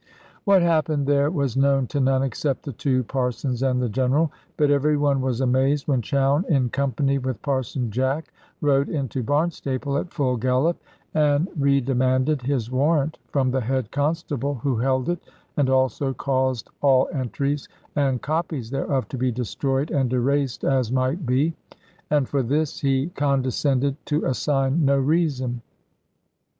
What happened there was known to none except the two parsons and the General; but every one was amazed when Chowne, in company with Parson Jack, rode into Barnstaple at full gallop, and redemanded his warrant from the head constable, who held it, and also caused all entries and copies thereof to be destroyed and erased, as might be; and for this he condescended to assign no reason.